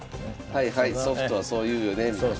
はいはいソフトはそう言うよねみたいな。